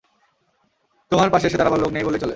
তোমার পাশে এসে দাঁড়াবার লোক নেই বললেই চলে।